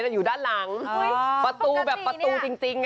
อยู่ด้านหลังประตูแบบประตูจริง